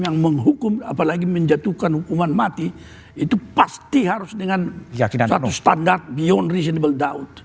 apalagi menjatuhkan hukuman mati itu pasti harus dengan suatu standar beyond reasonable doubt